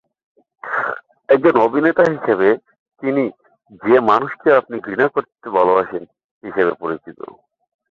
একজন অভিনেতা হিসেবে, তিনি "যে মানুষকে আপনি ঘৃণা করতে ভালবাসেন" হিসেবে পরিচিত।